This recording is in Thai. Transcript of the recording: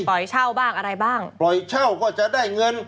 เช่าบ้างอะไรบ้างปล่อยเช่าก็จะได้เงิน